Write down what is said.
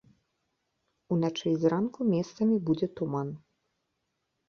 Уначы і зранку месцамі будзе туман.